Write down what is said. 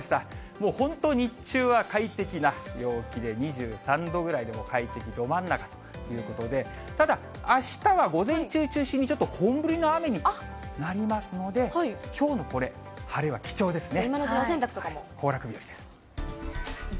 もう本当に日中は快適な陽気で２３度ぐらいで、もう快適ど真ん中ということで、ただ、あしたは午前中を中心にちょっと本降りの雨になりますので、きょうのこれ、晴れは貴重ですね。